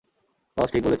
বস, ঠিক বলেছি?